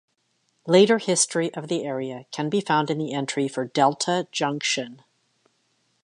Later history of the area can be found in the entry for Delta Junction.